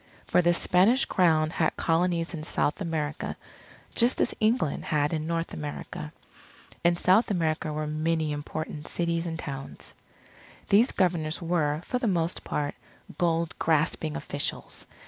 For the Spanish Crown had Colonies in South America, just as England had in North America. In South America were many important cities and towns. These Governors were, for the most part, gold grasping officials.